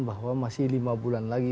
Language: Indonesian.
bahwa masih lima bulan lagi